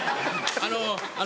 あの。